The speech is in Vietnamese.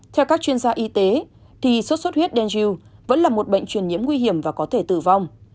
theo các chuyên gia y tế thì sốt xuất huyết denju vẫn là một bệnh truyền nhiễm nguy hiểm và có thể tử vong